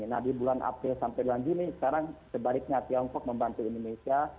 nah di bulan april sampai bulan juni sekarang sebaliknya tiongkok membantu indonesia